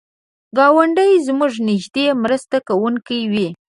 ګاونډی زموږ نږدې مرسته کوونکی وي